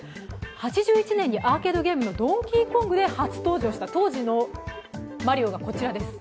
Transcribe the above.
８１年にアーケードゲームで初登場した当時のマリオがこちらです。